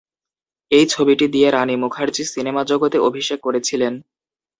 এই ছবিটি দিয়ে রানী মুখার্জী সিনেমা জগতে অভিষেক করেছিলেন।